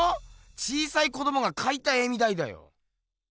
小さい子どもがかいた絵みたいだよ。